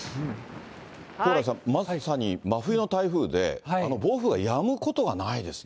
蓬莱さん、まさに真冬の台風で、暴風がやむことはないですね。